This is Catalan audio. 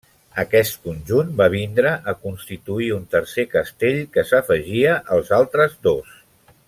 Aquest conjunt va vindre a constituir un tercer castell que s'afegia als altres dos.